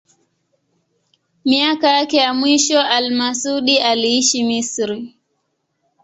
Miaka yake ya mwisho al-Masudi aliishi Misri.